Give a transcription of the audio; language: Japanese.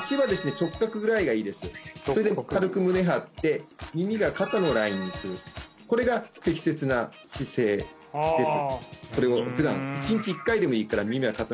直角ぐらいがいいですそれで軽く胸張って耳が肩のラインにくるこれが適切な姿勢です